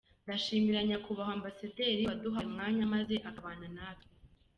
Ndashimira Nyakubahwa Ambassador waduhaye umwanya maze akabana natwe.